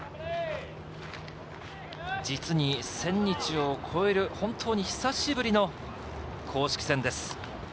実に１０００日を超える本当に久しぶりの公式戦です